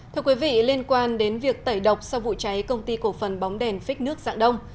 thưa quý vị liên quan đến việc tẩy độc sau vụ cháy công ty cổ phần bóng đèn phích nước dạng đông